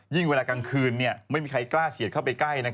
เวลากลางคืนไม่มีใครกล้าเฉียดเข้าไปใกล้